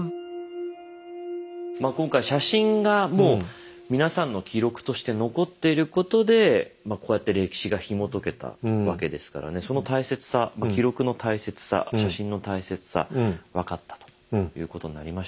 まあ今回写真がもう皆さんの記録として残っていることでこうやって歴史がひもとけたわけですからねその大切さ記録の大切さ写真の大切さ分かったということになりましたよね。